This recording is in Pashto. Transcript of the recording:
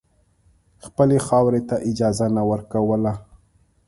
خپلې خاورې ته اجازه نه ورکوله.